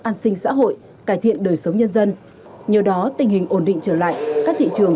an sinh xã hội cải thiện đời sống nhân dân nhờ đó tình hình ổn định trở lại các thị trường